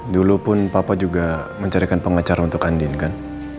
dulu pun papa juga mencarikan pengacara untuk andin kan